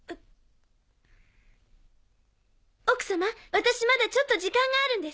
私まだちょっと時間があるんです。